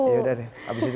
yaudah deh habis itu deh